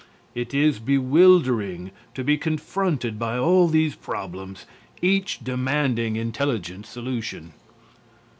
It is bewildering to be confronted by all these problems, each demanding intelligent solution.